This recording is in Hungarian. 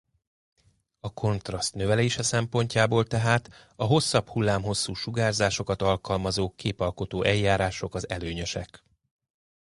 A kontraszt növelése szempontjából tehát a hosszabb hullámhosszú sugárzásokat alkalmazó képalkotó eljárások az előnyösek.